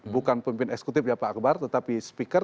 bukan pemimpin eksekutif ya pak akbar tetapi speaker